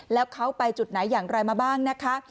แล้วเขาไปจุดไหนอย่างไรมาบ้างนะคะ